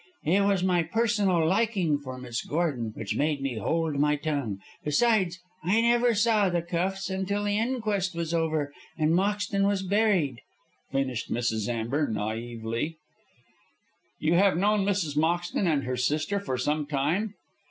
It was my personal liking for Miss Gordon which made me hold my tongue. Besides, I never saw the cuffs until the inquest was over and Moxton was buried," finished Mrs. Amber, naïvely. "You have known Mrs. Moxton and her sister for some time?"